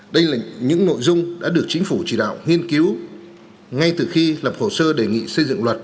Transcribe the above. đây là những nội dung đã được chính phủ chỉ đạo nghiên cứu ngay từ khi lập hồ sơ đề nghị xây dựng luật